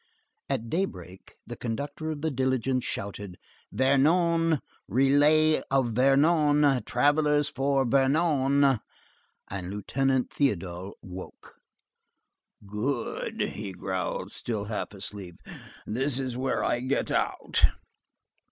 At daybreak, the conductor of the diligence shouted: "Vernon! relay of Vernon! Travellers for Vernon!" And Lieutenant Théodule woke. "Good," he growled, still half asleep, "this is where I get out."